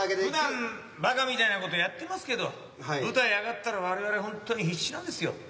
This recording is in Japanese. ふだんばかみたいなことやってますけど舞台上がったら我々ほんとに必死なんですよ。